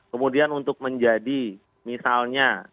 kemudian untuk menjadi misalnya